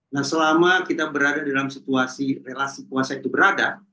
nah selama kita berada dalam situasi relasi tuasa